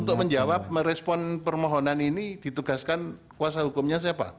untuk menjawab merespon permohonan ini ditugaskan kuasa hukumnya siapa